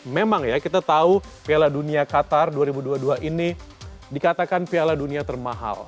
memang ya kita tahu piala dunia qatar dua ribu dua puluh dua ini dikatakan piala dunia termahal